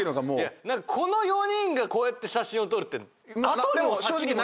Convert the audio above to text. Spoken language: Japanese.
この４人がこうやって写真を撮るって後にも先にも。